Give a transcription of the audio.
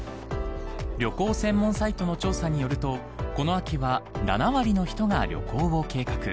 旅行専門サイトの調査によるとこの秋は７割の人が旅行を計画。